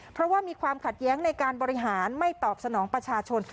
เพราะว่ามีความขัดแย้งในการบริหารไม่ตอบสนองประชาชน